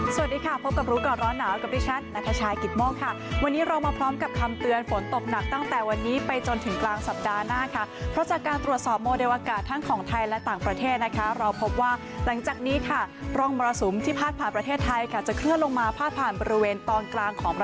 สวัสดีค่ะพบกับรู้ก่อนร้อนหนาวกับดิฉันนัทชายกิตโมกค่ะวันนี้เรามาพร้อมกับคำเตือนฝนตกหนักตั้งแต่วันนี้ไปจนถึงกลางสัปดาห์หน้าค่ะเพราะจากการตรวจสอบโมเดลอากาศทั้งของไทยและต่างประเทศนะคะเราพบว่าหลังจากนี้ค่ะร่องมรสุมที่พาดผ่านประเทศไทยค่ะจะเคลื่อนลงมาพาดผ่านบริเวณตอนกลางของพระ